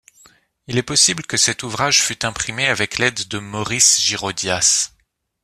Il est possible que cet ouvrage fut imprimé avec l'aide de Maurice Girodias.